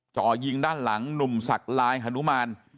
จ่อยิงด้านหลังหนุ่มศักดิ์ลายฮานุมาน